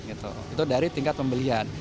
itu dari tingkat pembelian